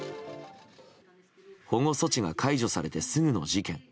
保護措置が解除されてすぐの事件。